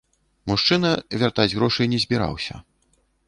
Мужчына вяртаць грошы не збіраўся.